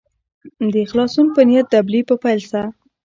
د خلاصون په نیت دبلي په پیل سه.